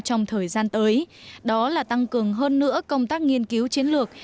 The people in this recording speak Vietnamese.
trong thời gian tới đó là tăng cường hơn nữa công tác nghiên cứu chiến lược